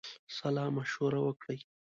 سالامشوره وکړي.